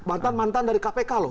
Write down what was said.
bantan bantan dari kpk loh